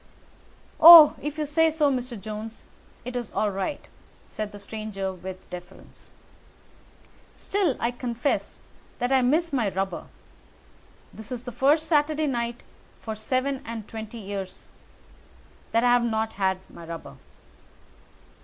"Oh, if you say so, Mr. Jones, it is all right," said the stranger with deference. "Still, I confess that I miss my rubber. It is the first Saturday night for seven and twenty years that I have not had my rubber."